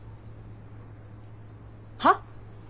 はっ？